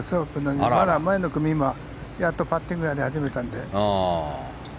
まだ前の組がやっとパッティングをやり始めたので。